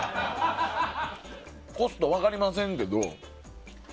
コスト分かりませんけど。